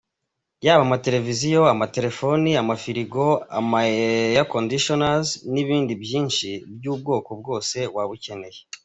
Yaba, amatelevision, amatelefoni, amafiligo, ama Airconditioners, n’ibindi byinshi by’ubwoko bwose waba ukeneye.